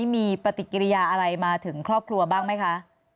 มีปฏิกิริยาอะไรมาถึงครอบครัวบ้างไหมคะ